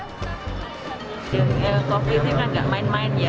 covid sembilan belas ini agak main main ya